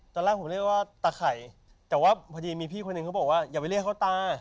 ตอนแรกผมเรียกว่าตาไข่แต่ว่าพอดีมีพี่คนหนึ่งเขาบอกว่าอย่าไปเรียกเขาตา